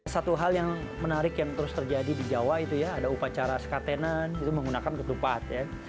satu hal yang menarik yang terus terjadi di jawa itu ya ada upacara sekatenan itu menggunakan ketupat ya